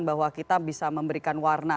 bahwa kita bisa memberikan warna